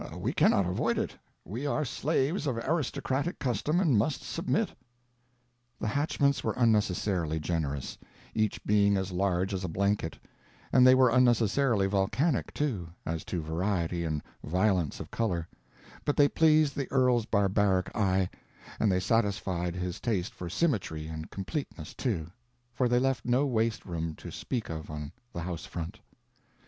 We cannot avoid it; we are slaves of aristocratic custom and must submit." The hatchments were unnecessarily generous, each being as large as a blanket, and they were unnecessarily volcanic, too, as to variety and violence of color, but they pleased the earl's barbaric eye, and they satisfied his taste for symmetry and completeness, too, for they left no waste room to speak of on the house front.